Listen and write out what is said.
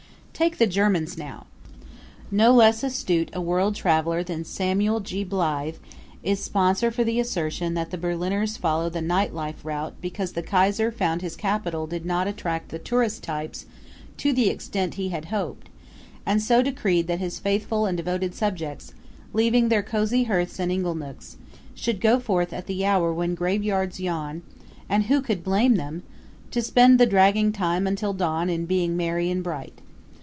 Take the Germans now: No less astute a world traveler than Samuel G. Blythe is sponsor for the assertion that the Berliners follow the night life route because the Kaiser found his capital did not attract the tourist types to the extent he had hoped, and so decreed that his faithful and devoted subjects, leaving their cozy hearths and inglenooks, should go forth at the hour when graveyards yawn and who could blame them? to spend the dragging time until dawn in being merry and bright.